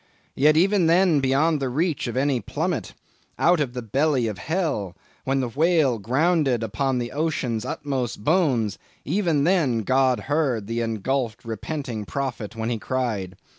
Yet even then beyond the reach of any plummet—'out of the belly of hell'—when the whale grounded upon the ocean's utmost bones, even then, God heard the engulphed, repenting prophet when he cried.